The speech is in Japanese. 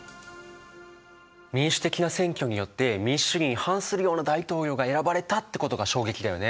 民主的な選挙によって民主主義に反するような大統領が選ばれたってことが衝撃だよね。